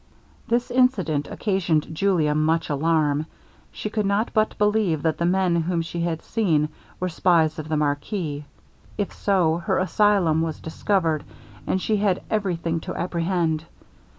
This incident occasioned Julia much alarm. She could not but believe that the men whom she had seen were spies of the marquis; if so, her asylum was discovered, and she had every thing to apprehend.